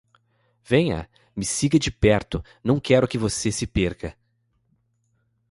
Venha, me siga de perto, não quero que você se perca.